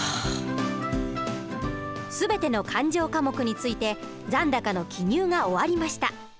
全ての勘定科目について残高の記入が終わりました。